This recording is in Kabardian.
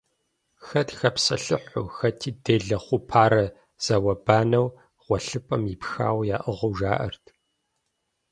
Хэт хэпсэлъыхьу, хэти делэ хъупарэ зауэ-банэу, гъуэлъыпӏэм ипхауэ яӏыгъыу жаӏэрт.